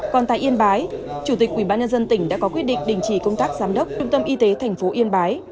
còn tại yên bái chủ tịch ubnd tỉnh đã có quyết định đình chỉ công tác giám đốc trung tâm y tế thành phố yên bái